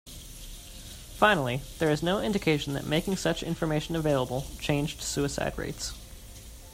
Finally, there is no indication that making such information available changed suicide rates.